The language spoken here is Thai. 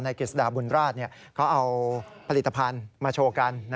กฤษฎาบุญราชเขาเอาผลิตภัณฑ์มาโชว์กัน